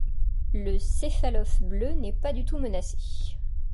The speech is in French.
Le céphalophe bleu n'est pas du tout menacé.